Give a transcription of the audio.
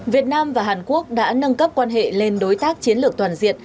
việt nam và hàn quốc đã nâng cấp quan hệ lên đối tác chiến lược toàn diện